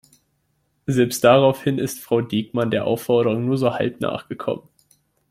Selbst daraufhin ist Frau Diekmann der Aufforderung nur so halb nachgekommen.